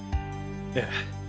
ええ。